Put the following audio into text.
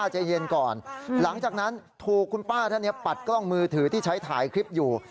หลังจากนั้นถูกคุณป้าท่านเนี่ยปัดกล้องมือถือที่ใช้ถ่ายคลิปอยู่